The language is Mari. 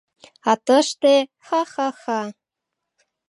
А тыште — «ха-ха-ха».